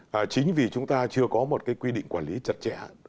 vâng chính vì chúng ta chưa có một quy định quản lý chặt chẽ